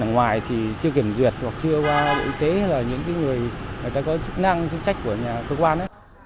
ở ngoài thì chưa kiểm duyệt hoặc chưa đổi tế là những cái người người ta có chức năng chức trách của nhà cơ quan